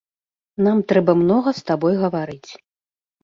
Нам трэба многа з табой гаварыць.